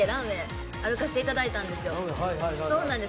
そうなんです。